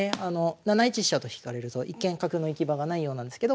７一飛車と引かれると一見角の行き場がないようなんですけど